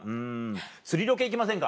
「釣りロケ行きませんか？」